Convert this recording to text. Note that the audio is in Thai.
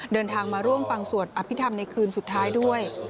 เดินทางมาร่วมฟังสวดอภิษฐรรมในคืนสุดท้ายด้วย